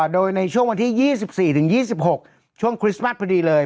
โดยในช่วงวันที่๒๔๒๖ช่วงคริสต์มัสพอดีเลย